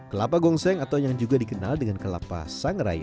kelapa gongseng atau yang juga dikenal dengan kelapa sangrai